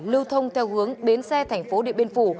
lưu thông theo hướng bến xe thành phố điện biên phủ